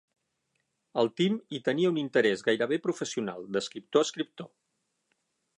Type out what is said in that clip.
El Tim hi tenia un interès gairebé professional, d'escriptor a escriptor.